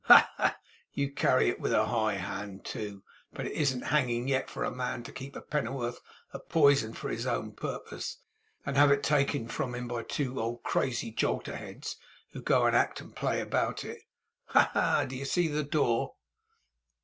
Ha, ha! You carry it with a high hand, too! But it isn't hanging yet for a man to keep a penn'orth of poison for his own purposes, and have it taken from him by two old crazy jolter heads who go and act a play about it. Ha, ha! Do you see the door?